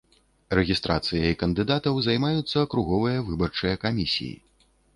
Рэгістрацыяй кандыдатаў займаюцца акруговыя выбарчыя камісіі.